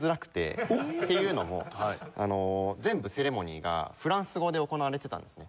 っていうのもあの全部セレモニーがフランス語で行われてたんですね。